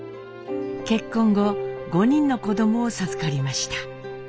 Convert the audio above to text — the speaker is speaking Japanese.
結婚後５人の子どもを授かりました。